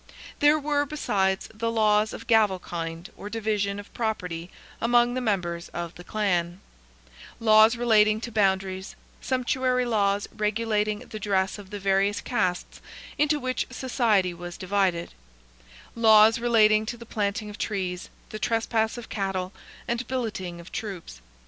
There were, besides, the laws of gavelkind or division of property among the members of the clan; laws relating to boundaries; sumptuary laws regulating the dress of the various castes into which society was divided; laws relating to the planting of trees, the trespass of cattle, and billeting of troops.